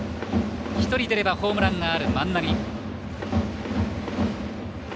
１人出ればホームランがある万波。